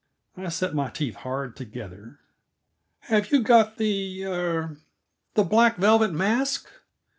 I set my teeth hard together. "Have you got the er the black velvet mask?"